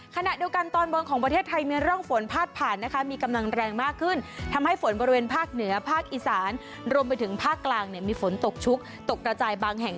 ขณะเดียวกันตอนบนของประเทศไทยมีร่องฝนพาดผ่านนะคะมีกำลังแรงมากขึ้นทำให้ฝนบริเวณภาคเหนือภาคอีสานรวมไปถึงภาคกลางเนี่ยมีฝนตกชุกตกกระจายบางแห่ง